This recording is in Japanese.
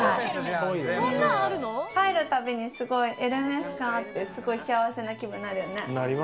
入るたびに、すごいエルメス感あって、すごい幸せな気分になるよね。